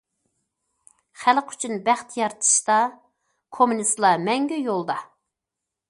خەلق ئۈچۈن بەخت يارىتىشتا، كوممۇنىستلار مەڭگۈ يولدا.